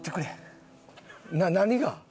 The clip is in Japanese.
何が？